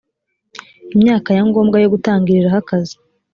imyaka ya ngombwa yo gutangiriraho akazi